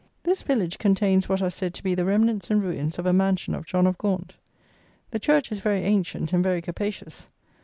This village contains what are said to be the remnants and ruins of a mansion of John of Gaunt. The church is very ancient and very capacious.